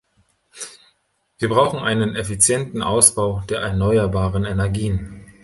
Wir brauchen einen effizienten Ausbau der erneuerbaren Energien.